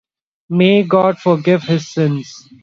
May God forgive his sins.